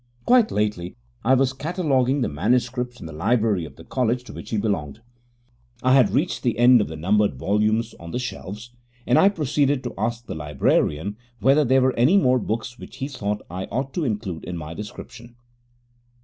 Quite lately I was cataloguing the manuscripts in the library of the college to which he belonged. I had reached the end of the numbered volumes on the shelves, and I proceeded to ask the librarian whether there were any more books which he thought I ought to include in my description.